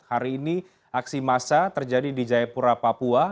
hari ini aksi massa terjadi di jayapura papua